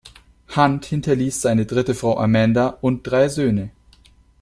Hunt hinterließ seine dritte Frau Amanda und drei Söhne.